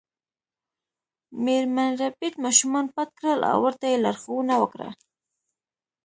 میرمن ربیټ ماشومان پټ کړل او ورته یې لارښوونه وکړه